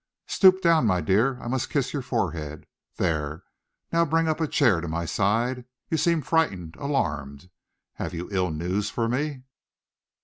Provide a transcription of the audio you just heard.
"Stoop down, my dear. I must kiss your forehead there! Now bring up a chair to my side. You seem frightened alarmed. Have you ill news for me?"